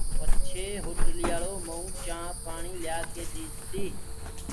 پڇي هوٽلَيآݪو مئونٚ چآنٚه پآڻِيٚ ليآڪي ديٚستيٚ